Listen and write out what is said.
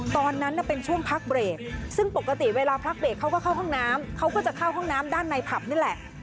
ตอนนั้นเป็นช่วงพักเบรกซึ่งปกติเวลาพักเบรกเขาก็เข้าห้องน้ำเขาก็จะเข้าห้องน้ำด้านในผับนี่แหละ